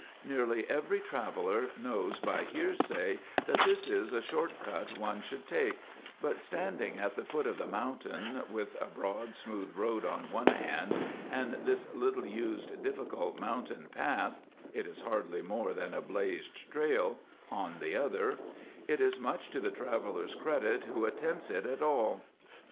Nearly every traveller knows by hearsay that this is a short cut one should take, but standing at the foot of the mountain, with a broad smooth road on one hand and this little used difficult mountain path (it is hardly more than a blazed trail) on the other, it is much to the traveller's credit who attempts it at all.